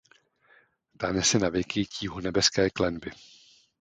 Ta nese navěky tíhu nebeské klenby.